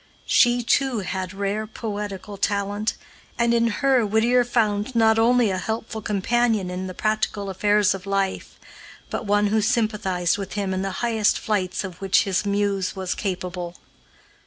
She, too, had rare poetical talent, and in her Whittier found not only a helpful companion in the practical affairs of life, but one who sympathized with him in the highest flights of which his muse was capable.